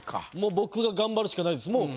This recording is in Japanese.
僕が頑張るしかないですもう。